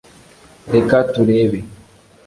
reka turebe